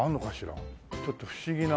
ちょっと不思議な。